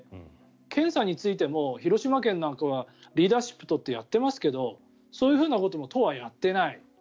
検査についても広島県なんかはリーダーシップを取ってやっていますがそういうことも都はやっていない。